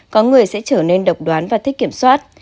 có người sẽ trở nên độc đoán và thích kiểm soát